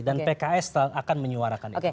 dan pks akan menyuarakan itu